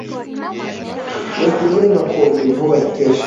la kuijenga cote dvoire ya kesho